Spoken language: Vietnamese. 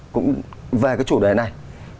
cũng về cái chủ đề này